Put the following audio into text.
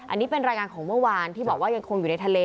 อันนี้เป็นรายงานของเมื่อวานที่บอกว่ายังคงอยู่ในทะเล